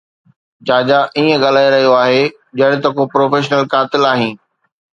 جاجا ائين ڳالهائي رهيو آهي ڄڻ ته ڪو پروفيشنل قاتل آهين